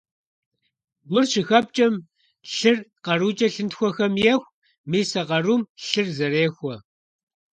Гур щыхэпкӀэм, лъыр къарукӀэ лъынтхуэхэм еху, мис а къарум лъыр зэрехуэ.